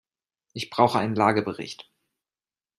Ich brauche einen Lagebericht.